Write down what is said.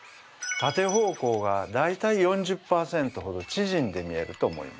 縦方向が大体４０％ほど縮んで見えると思います。